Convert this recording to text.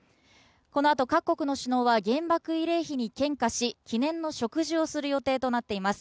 このあと各国の首脳は原爆慰霊碑に献花し、記念の植樹をする予定となっています。